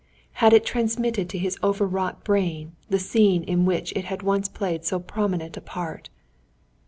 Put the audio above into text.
Had it transmitted to his over wrought brain, the scene in which it had once played so prominent a part?